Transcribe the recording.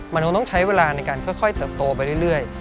มันคงต้องใช้เวลาในการค่อยเติบโตไปเรื่อย